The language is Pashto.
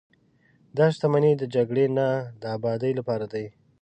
دا شتمنۍ د جګړې نه، د ابادۍ لپاره دي.